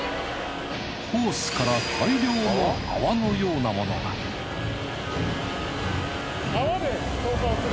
ホースから大量の泡のようなものが泡で消火をする。